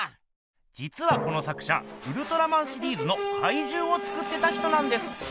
じつはこの作者ウルトラマンシリーズのかいじゅうを作ってた人なんです。